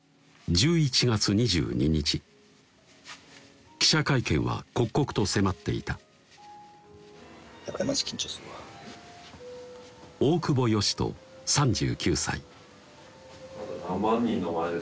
１１月２２日記者会見は刻々と迫っていた全く・大久保嘉人選手